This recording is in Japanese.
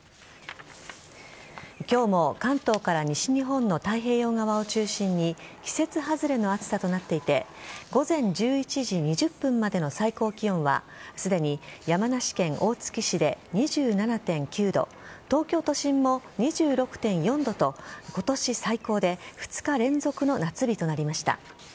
今日も関東から西日本の太平洋側を中心に季節外れの暑さとなっていて午前１１時２０分までの最高気温はすでに山梨県大月市で２７．９度東京都心も２６．４度と今年最高で２日連続の夏日となりました。